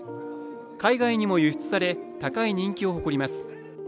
海外にも輸出され高い人気を誇ります。